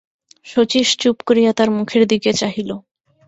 শচীশ চুপ করিয়া তার মুখের দিকে চাহিল।